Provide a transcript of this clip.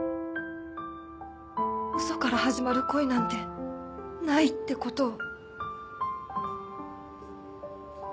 嘘から始まる恋なんてないってことを